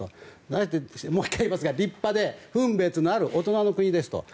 あえてもう１回言いますが立派で分別のある大人の国ですと。